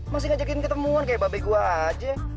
masih ngajakin ketemuan kayak babe gue aja